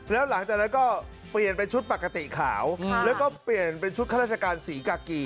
แล้วหลังจากนั้นก็เปลี่ยนเป็นชุดปกติขาวแล้วก็เปลี่ยนเป็นชุดข้าราชการศรีกากี